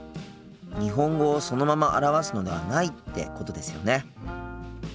日本語をそのまま表すのではないってことですよね？